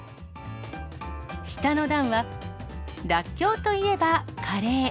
下の段は、らっきょうといえばカレー。